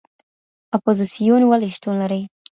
اپوزیسیون ولي شتون لري؟